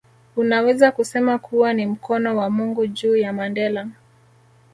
Unaweza kusema kuwa ni mkono wa Mungu juu ya Mandela